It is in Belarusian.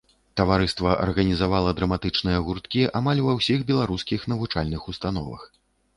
Таварыства арганізавала драматычныя гурткі амаль ва ўсіх беларускіх навучальных установах.